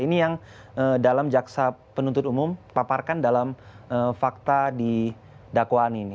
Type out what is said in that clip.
ini yang dalam jaksa penuntut umum paparkan dalam fakta di dakwaan ini